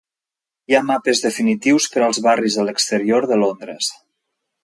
Hi ha mapes definitius per als barris de l'exterior de Londres.